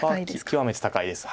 極めて高いです。